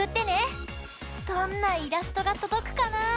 どんなイラストがとどくかな？